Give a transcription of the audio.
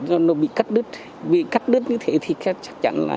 do nó bị cắt đứt bị cắt đứt như thế thì chắc chắn là